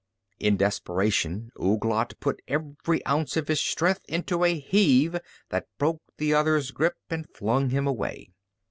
In desperation Ouglat put every ounce of his strength into a heave that broke the other's grip and flung him away.